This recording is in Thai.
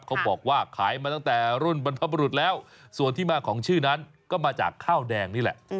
เขาบอกว่าขายมาตั้งแต่รุ่นบรรพบรุษแล้วส่วนที่มาของชื่อนั้นก็มาจากข้าวแดงนี่แหละ